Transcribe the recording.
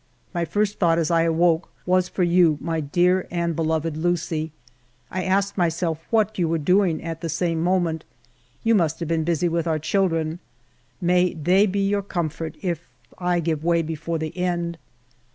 My first thought as I awoke was for you, my dear and beloved Lucie. I asked myself what you were doing at the same moment. You must have been busy with our children. May they be your comfort if I give way before the end